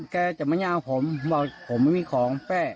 แกจะมาแย่ผมว่าผมไม่มีของแป๊ะ